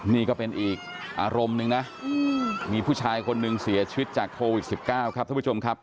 นี่ก็เป็นอีกอารมณ์หนึ่งนะมีผู้ชายคนหนึ่งเสียชีวิตจากโควิด๑๙ครับท่านผู้ชมครับ